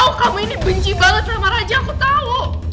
aku tau kamu ini benci banget sama raja aku tau